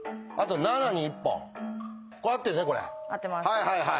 はいはいはい。